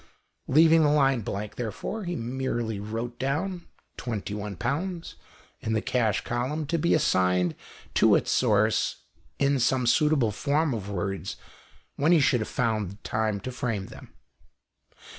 Leaving the line blank, therefore, he merely wrote down £21 in the cash column, to be assigned to its source in some suitable form of words when he should have found time to frame them.